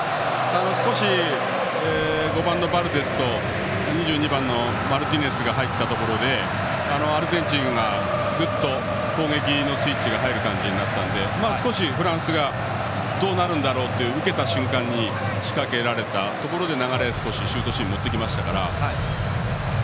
少し、５番のパレデスと２２番のマルティネスが入ったところでアルゼンチンがぐっと攻撃のスイッチが入る感じになったので少しフランスがどうなるんだろうとなって受けた瞬間に仕掛けられたところで流れがシュートシーンまで持っていきましたから。